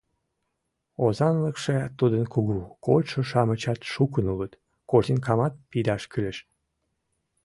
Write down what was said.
— Озанлыкше тудын кугу, кочшо-шамычат шукын улыт, корзинкамат пидаш кӱлеш...